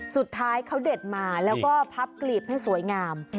สุดท้ายเขาเด็ดมาแล้วก็พับกลีบให้สวยงาม